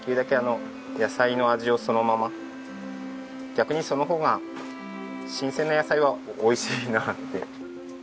逆にその方が新鮮な野菜はおいしいなって。